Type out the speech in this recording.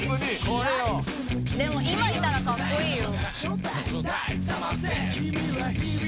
でも今いたらカッコイイよ。